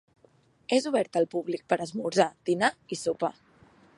És obert al públic per esmorzar, dinar i sopar.